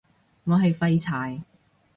我係廢柴